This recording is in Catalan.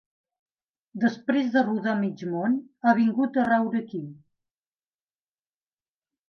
Després de rodar mig món, ha vingut a raure aquí.